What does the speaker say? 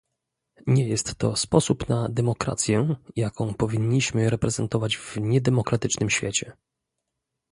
Nie jest to sposób na demokrację, jaką powinniśmy reprezentować w niedemokratycznym świecie